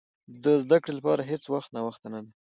د زده کړې لپاره هېڅ وخت ناوخته نه دی.